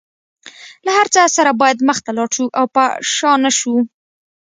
له هر څه سره باید مخ ته لاړ شو او په شا نشو.